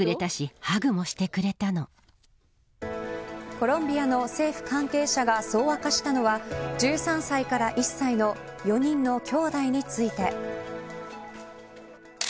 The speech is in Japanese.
コロンビアの政府関係者がそう明かしたのは１３歳から１歳の４人のきょうだいについて。